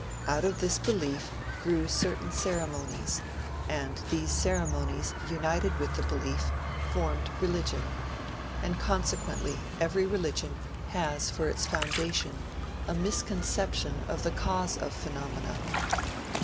Out of this belief grew certain ceremonies, and these ceremonies united with the belief, formed religion; and consequently every religion has for its foundation a misconception of the cause of phenomena.